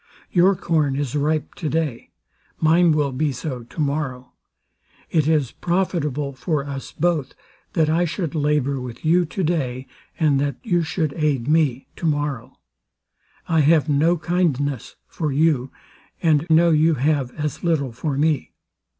Your corn is ripe to day; mine will be so tomorrow. It is profitable for us both, that I should labour with you to day, and that you should aid me to morrow. I have no kindness for you, and know you have as little for me.